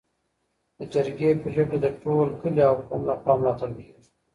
د جرګې پریکړه د ټول کلي او قوم لخوا ملاتړ کيږي.